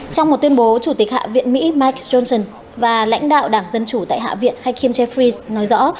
trong một tuyên bố chủ tịch hạ viện mỹ mike johnson và lãnh đạo đảng dân chủ tại hạ viện hakeem jeffries nói rõ